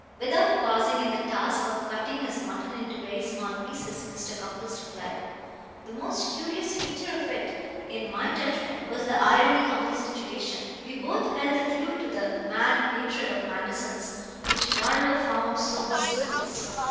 Without pausing in the task of cutting his mutton into very small pieces Mr. Cupples replied: "The most curious feature of it, in my judgment, was the irony of the situation. We both held the clue to that mad hatred of Manderson's which Marlowe found so mysterious.